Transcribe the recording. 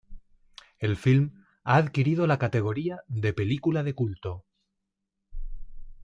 El film ha adquirido la categoría de película de culto.